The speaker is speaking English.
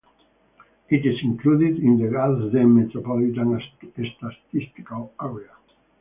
It is included in the Gadsden Metropolitan Statistical Area.